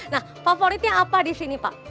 nah favoritnya apa di sini pak